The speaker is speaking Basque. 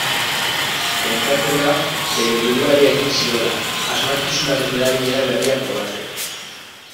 Pentsatzen da bere buruari egin ziola, asmakizunaren erabilera berria probatzeko.